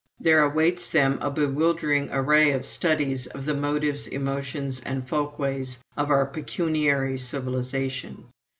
There awaits them a bewildering array of studies of the motives, emotions, and folkways of our pecuniary civilization.